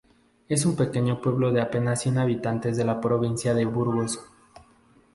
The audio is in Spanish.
Es un pequeño pueblo de apenas cien habitantes de la provincia de Burgos.